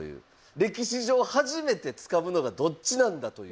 歴史上初めてつかむのがどっちなんだという。